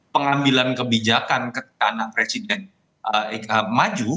pengambilan kebijakan ketika anak presiden maju